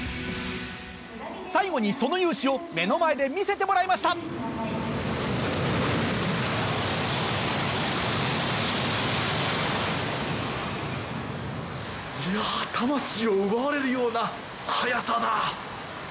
最後にその雄姿を目の前で見せてもらいましたいや魂を奪われるような速さだ！